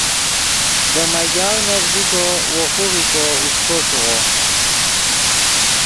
دے میگاؤ نیڤزیکو وو خوغیکو اوݰکو ݰیغو